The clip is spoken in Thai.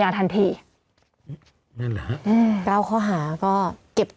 ผู้ต้องหาที่ขับขี่รถจากอายานยนต์บิ๊กไบท์